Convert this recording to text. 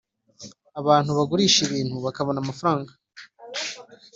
Abantu bagurisha ibiti bakabona amafaranga